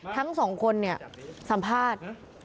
ทั้งสองคนเนี่ยสัมภาษณ์